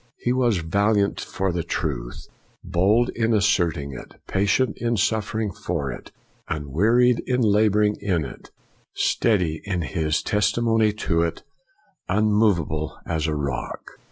1 " He was valiant for the truth, bold in asserting it, patient in suffering for it, un wearied in laboring in it, steady in his testimony to it, unmovable as a rock.'